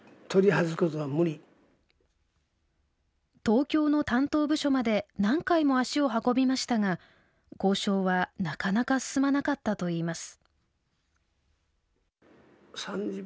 東京の担当部署まで何回も足を運びましたが交渉はなかなか進まなかったといいます。